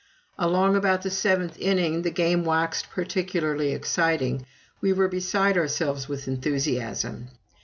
Along about the seventh inning, the game waxed particularly exciting we were beside ourselves with enthusiasm.